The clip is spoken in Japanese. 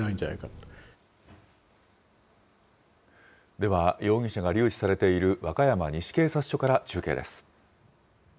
では、容疑者が留置されている、和歌山西警察署から中継です。